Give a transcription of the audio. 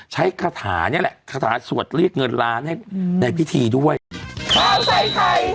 ใช้กระถานี่แหละสวดเรียกเงินล้านให้ในพิธีด้วย